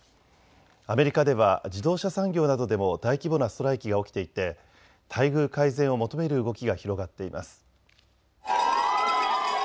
アメリカでは自動車産業などでも大規模なストライキが起きていて待遇改善を求める動きが広がっています。